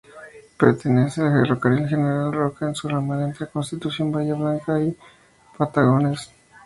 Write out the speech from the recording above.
Pertenece al Ferrocarril General Roca en su ramal entre Constitución, Bahía Blanca y Patagones.